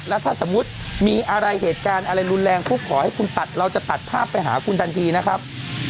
แล้วถ้าสมมุติมีอะไรเหตุการณ์อะไรรุนแรงปุ๊บขอให้คุณตัดเราจะตัดภาพไปหาคุณทันทีนะครับ